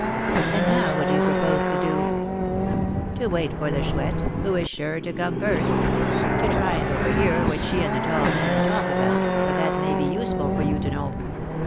"And now what do you propose to do?" "To wait for the Chouette, who is sure to come first; to try and overhear what she and the tall man talk about, for that may be useful for you to know.